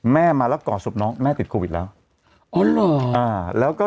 แม่มาแล้วก่อนสบน้องแม่ติดโควิดแล้วอ๋อเหรออ่า